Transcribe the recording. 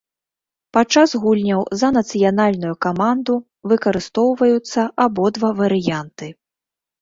Падчас гульняў за нацыянальную каманду выкарыстоўваюцца абодва варыянты.